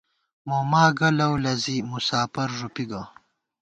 موما گہ لؤ لزِی ، مساپر ݫُپی گہ